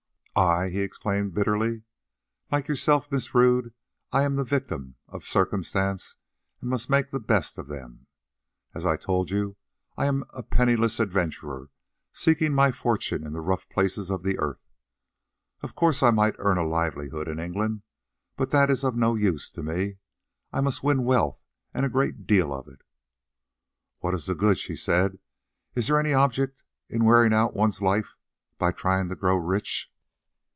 "I!" he exclaimed bitterly. "Like yourself, Miss Rodd, I am the victim of circumstances and must make the best of them. As I told you I am a penniless adventurer seeking my fortune in the rough places of the earth. Of course I might earn a livelihood in England, but that is of no use to me; I must win wealth, and a great deal of it." "What is the good?" she said. "Is there any object in wearing out one's life by trying to grow rich?"